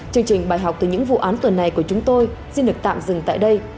chương trình bài học từ những vụ án tuần này của chúng tôi xin được tạm dừng tại đây